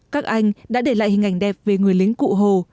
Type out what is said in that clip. các anh đã để lại hình ảnh đẹp về người lính cụ hồ